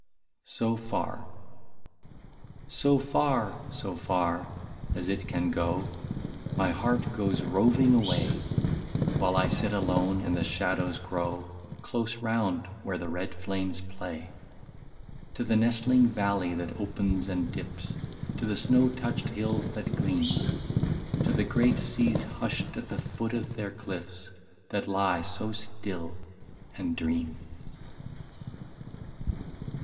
37 SO FAR. So far, so far, as it can go, My heart goes roving away. While I sit alone and the shadows grow, Close round where the red flames play ; To the nestling valley that opens and dips. To the snow touched hills that gleam, To the great seas hushed at the foot of their cliffs, That lie in their trance and dream.